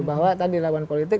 bahwa tadi lawan politik